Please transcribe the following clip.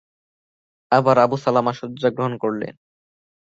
আবার Abu Salama শয্যা গ্রহণ করলেন।